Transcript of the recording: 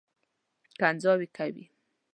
کنځاوې کوي.